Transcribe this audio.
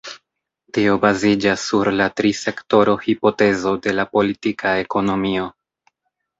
Tio baziĝas sur la tri-sektoro-hipotezo de la politika ekonomio.